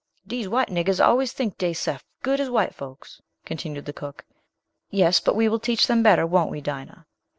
"Dees white niggers always tink dey sef good as white folks," continued the cook. "Yes, but we will teach them better; won't we, Dinah?"